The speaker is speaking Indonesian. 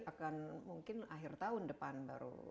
akan mungkin akhir tahun depan baru